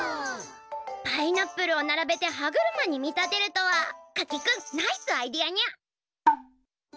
パイナップルを並べて歯車に見立てるとはかき君ナイスアイデアにゃ！